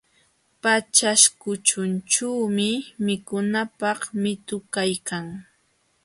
Paćhaśhkućhućhuumi mikunapaq mitu kaykan.